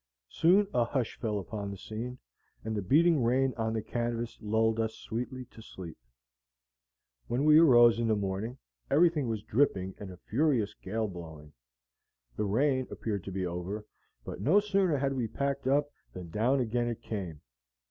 Soon a hush fell upon the scene, and the beating rain on the canvas lulled us sweetly to sleep. When we arose in the morning, everything was dripping and a furious gale blowing. The rain appeared to be over, but no sooner had we packed up than down again it came.